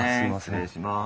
失礼します。